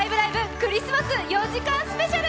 クリスマス４時間スペシャル」。